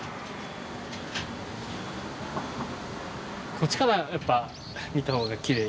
こっちからやっぱ見たほうがきれい。